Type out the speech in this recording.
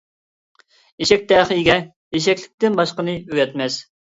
ئېشەك تەخىيىگە ئېشەكلىكتىن باشقىنى ئۆگەتمەس.